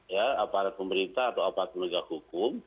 ya aparat pemerintah atau aparat penegak hukum